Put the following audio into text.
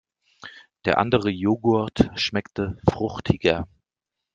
Der andere Joghurt schmeckte fruchtiger.